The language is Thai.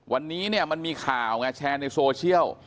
วันนี้เนี่ยมันมีข่าวไงแชร์ในโซเชียล